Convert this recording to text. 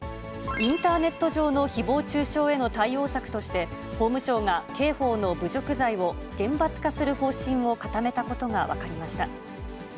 インターネット上のひぼう中傷への対応策として、法務省が刑法の侮辱罪を厳罰化する方針を固めたことが分かりました。